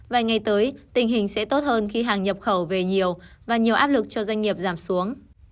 vài ngày tới tình hình sẽ tốt hơn khi hàng nhập khẩu về nhiều và nhiều áp lực cho doanh nghiệp giảm xuống